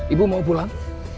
ibu mau pulang